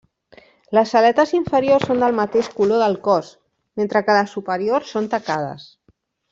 Les aletes inferiors són del mateix color del cos, mentre que les superiors són tacades.